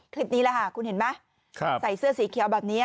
คลิปนี้แหละค่ะคุณเห็นไหมใส่เสื้อสีเขียวแบบนี้